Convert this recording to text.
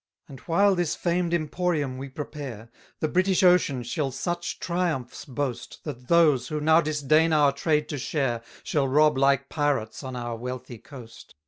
302 And while this famed emporium we prepare, The British ocean shall such triumphs boast, That those, who now disdain our trade to share, Shall rob like pirates on our wealthy coast.